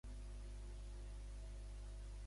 En aquest sentit, un altre líder era M. Ali Tim.